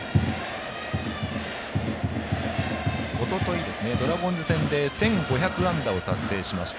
おとといドラゴンズ戦で１５００安打を達成しました。